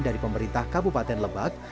dari pemerintah kabupaten lebak